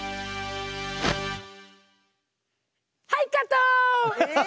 はいカット！